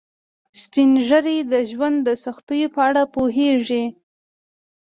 سپین ږیری د ژوند د سختیو په اړه پوهیږي